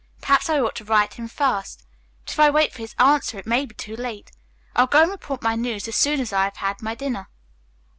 Perhaps I ought to write him first. But if I wait for his answer it may be too late. I'll go and report my news as soon as I have had my dinner."